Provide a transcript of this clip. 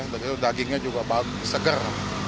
begitu dagingnya juga seger